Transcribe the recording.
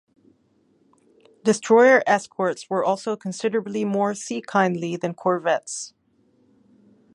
Destroyer escorts were also considerably more sea-kindly than corvettes.